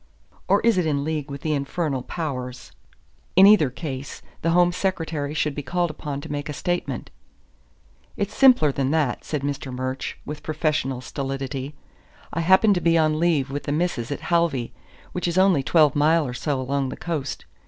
Or is it in league with the infernal powers? In either case the Home Secretary should be called upon to make a statement." "It's simpler than that," said Mr. Murch with professional stolidity. "I happened to be on leave with the Missus at Halvey, which is only twelve mile or so along the coast.